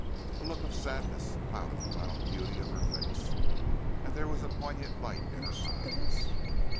A look of sadness clouded the wild beauty of her face, and there was a poignant light in her eyes.